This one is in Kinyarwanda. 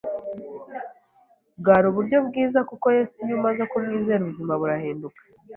bwari uburyo bwiza kuko Yesu iyo umaze kumwizera ubuzima burahinduka